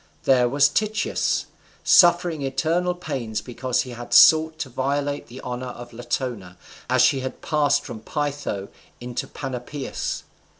There was Tityus suffering eternal pains because he had sought to violate the honour of Latona, as she passed from Pytho into Panopeus.